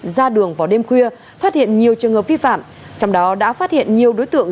ra đường vào đêm khuya phát hiện nhiều trường hợp vi phạm trong đó đã phát hiện nhiều đối tượng